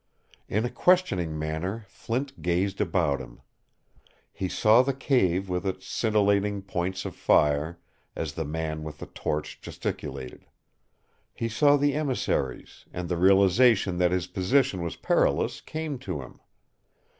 In a questioning manner Flint gazed about him. He saw the cave with its scintillating points of fire, as the man with the torch gesticulated. He saw the emissaries, and the realization that his position was perilous came to him.